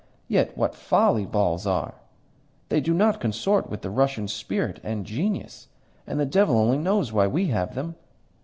Yet what folly balls are! They do not consort with the Russian spirit and genius, and the devil only knows why we have them.